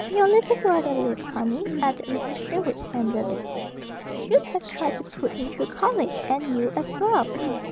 "Had your little brother lived, honey," added Mrs. Sherwood tenderly, "we should have tried to put him through college, and you, as well.